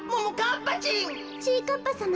ちぃかっぱさま。